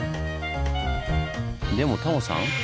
でもタモさん